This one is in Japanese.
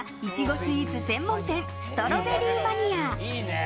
スイーツ専門店ストロベリーマニア。